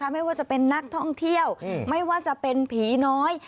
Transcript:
ไม่ว่าจะเป็นนักท่องเที่ยวไม่ว่าจะเป็นผีน้อย